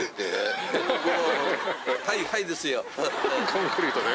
コンクリートで？